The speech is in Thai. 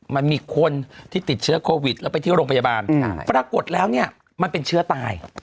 มันมีคนที่ติดเชื้อโควิดแล้วไปที่โรงพยาบาลปรากฏแล้วเนี่ยมันเป็นเชื้อตาย